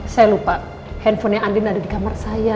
saya lupa handphonenya andin ada di kamar saya